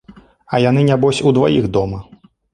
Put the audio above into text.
А яны нябось удваіх дома.